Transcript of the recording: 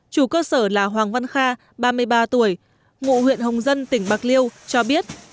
chủ cơ sở là hoàng văn kha ba mươi ba tuổi ngụ huyện hồng dân tỉnh bạc liêu cho biết